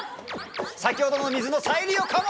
先ほどの水の再利用かも。